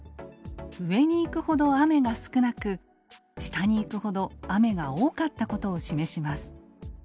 上に行くほど雨が少なく下に行くほど雨が多かったことを示します。